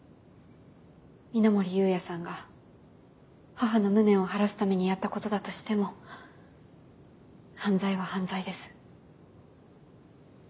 稲森有也さんが母の無念を晴らすためにやったことだとしても犯罪は犯罪です。